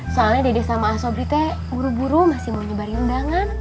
soalnya dede sama asobrite buru buru masih mau nyebarin undangan